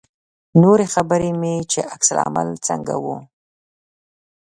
نورې خبرې مې چې عکس العمل څنګه و.